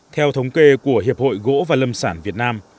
theo thống kê của hiệp hội gỗ và lâm sản việt nam